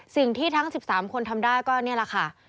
สิ่งที่ทั้ง๑๓คนทำได้ก็นี่แหละค่ะ